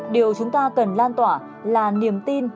điều chúng ta cần lan tỏa là niềm tin